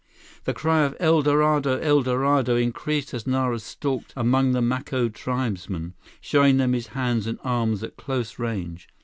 The cry of "El Dorado! El Dorado!" increased as Nara stalked among the Maco tribesmen, showing them his hands and arms at close range.